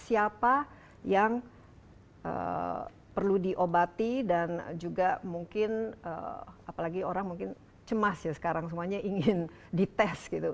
siapa yang perlu diobati dan juga mungkin apalagi orang mungkin cemas ya sekarang semuanya ingin dites gitu